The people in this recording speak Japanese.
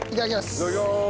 いただきます。